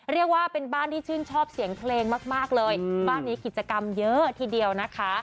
เรียกว่าเป็นบ้านที่ชื่นชอบเสียงเพลงมากเลยบ้านนี้กิจกรรมเยอะทีเดียวนะคะ